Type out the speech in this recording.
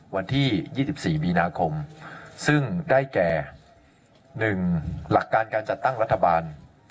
วันที่ยี่สิบสี่มีนาคมซึ่งได้แก่หนึ่งหลักการการจัดตั้งรัฐบาล